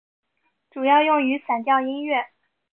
主要用于散调音乐。